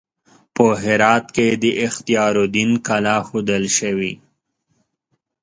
په هرات کې د اختیار الدین کلا ښودل شوې.